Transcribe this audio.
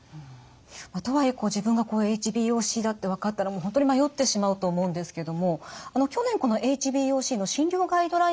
とはいえ自分がＨＢＯＣだって分かったら本当に迷ってしまうと思うんですけども去年このＨＢＯＣの診療ガイドラインが出来たそうですね。